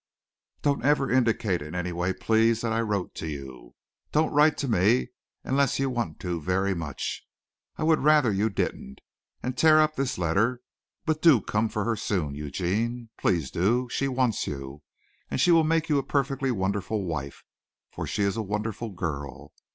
Don't ever indicate in any way, please, that I wrote to you. Don't write to me unless you want to very much. I would rather you didn't. And tear up this letter. But do come for her soon, Eugene, please do. She wants you. And she will make you a perfectly wonderful wife for she is a wonderful girl.